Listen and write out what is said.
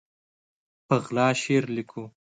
په غلا شعر لیکو